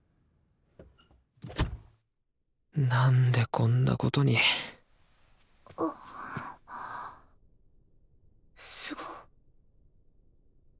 なんでこんなことにすご。